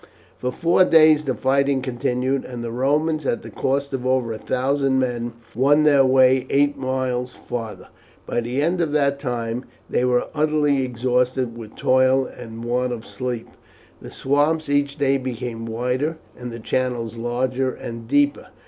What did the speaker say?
For four days the fighting continued, and the Romans, at the cost of over a thousand men, won their way eight miles farther. By the end of that time they were utterly exhausted with toil and want of sleep; the swamps each day became wider, and the channels larger and deeper.